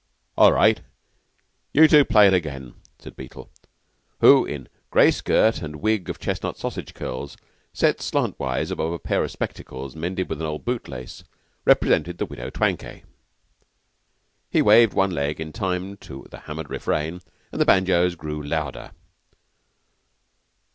"All right. You two play it again," said Beetle, who, in a gray skirt and a wig of chestnut sausage curls, set slantwise above a pair of spectacles mended with an old boot lace, represented the Widow Twankay. He waved one leg in time to the hammered refrain, and the banjoes grew louder.